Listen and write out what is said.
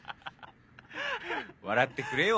笑ってくれよ